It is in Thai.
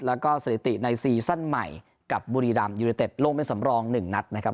แล้วก็สถิติในซีซั่นใหม่กับบุรีรัมยูเนเต็ดลงเป็นสำรอง๑นัดนะครับ